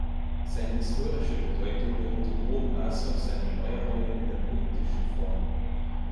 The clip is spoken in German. Seine historische Bedeutung beruht im hohen Maß auf seinen Neuerungen in der poetischen Form.